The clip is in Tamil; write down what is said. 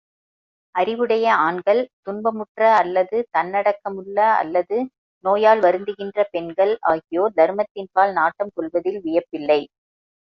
அறிவுடைய ஆண்கள், துன்பமுற்ற அல்லது தன்னடக்கமுள்ள அல்லது நோயால் வருந்துகின்ற பெண்கள் ஆகியோர் தருமத்தின்பால் நாட்டம் கொள்வதில் வியப்பில்லை.